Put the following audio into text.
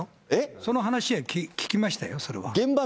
その話は聞きましたよ、それは。